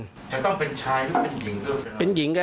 จะต้องเป็นชายหรือเป็นหญิงก็ได้